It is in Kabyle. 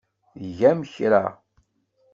Tgam kra?